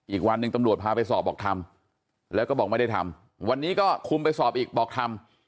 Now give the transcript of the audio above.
อีกวันหนึ่งตำรวจพาไปสอบบอกทำแล้วก็บอกไม่ได้ทำวันนี้ก็คุมไปสอบอีกบอกทำ